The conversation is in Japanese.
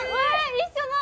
一緒だ！